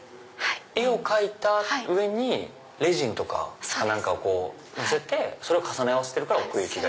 絵を描いた上にレジンとかをのせてそれを重ね合わせるから奥行きが。